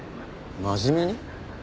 真面目に？